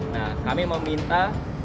nah kami meminta